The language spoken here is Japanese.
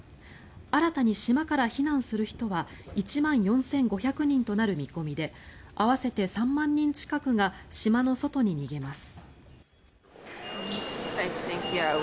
新たに島から避難する人は１万４５００人となる見込みで合わせて３万人近くが島の外に逃げます。